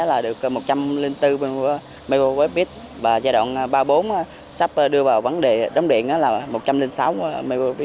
là được một trăm linh bốn mwpid và giai đoạn ba bốn sắp đưa vào vấn đề đóng điện là một trăm linh sáu mwp